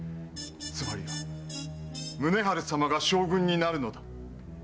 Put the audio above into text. つまりは宗春様が将軍になるのだ。